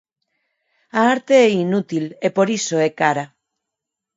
A arte é inútil e por iso é cara.